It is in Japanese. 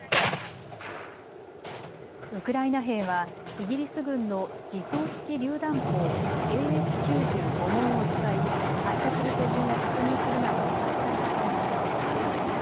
ウクライナ兵はイギリス軍の自走式りゅう弾砲ＡＳ９０５門を使い発射する手順を確認するなど扱い方を学んでいました。